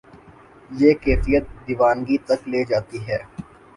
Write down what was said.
یہ کیفیت دیوانگی تک لے جاتی ہے۔